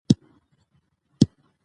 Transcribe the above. جرم د غنم اصلي برخه ده او پروټین لري.